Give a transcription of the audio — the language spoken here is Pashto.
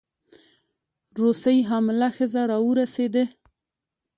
روسۍ حامله ښځه راورسېده.